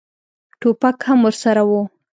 ټوپک هم ورسره و.